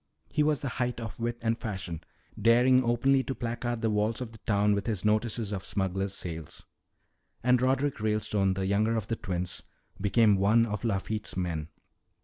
He was the height of wit and fashion daring openly to placard the walls of the town with his notices of smugglers' sales. "And Roderick Ralestone, the younger of the twins, became one of Lafitte's men.